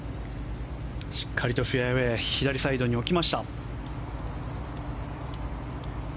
しっかりとフェアウェー左サイドに置きました。